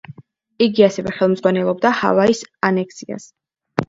იგი ასევე ხელმძღვანელობდა ჰავაის ანექსიას.